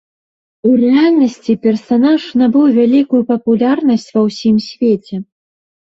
У рэальнасці персанаж набыў вялікую папулярнасць ва ўсім свеце.